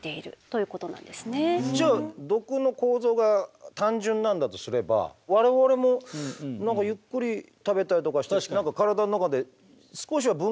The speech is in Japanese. じゃあ毒の構造が単純なんだとすれば我々もゆっくり食べたりとかしたら体の中で少しは分解できそうな気がするんですけど。